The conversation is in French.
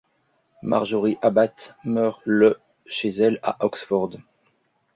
Marjorie Abbatt meurt le chez elle à Oxford.